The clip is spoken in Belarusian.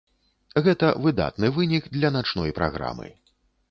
Гэта выдатны вынік для начной праграмы.